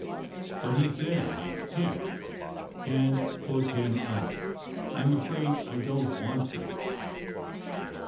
But he s there and I can t can t put him out. I m afraid I don t want to."